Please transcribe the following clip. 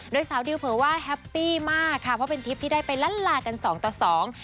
โดยสาวดิวเผยว่าแฮปปี้มากค่ะเพราะเป็นทริปที่ได้ไปล้านลากันสองต่อสอง